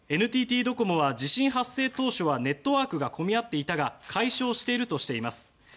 ＮＴＴドコモは地震発生当初はネットワークが混み合っていたが解消しているとしています。